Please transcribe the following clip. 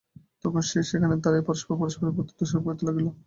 তখন সেই খানে দাঁড়াইয়া পরস্পর পরস্পরের প্রতি দোষারোপ করিতে লাগিল।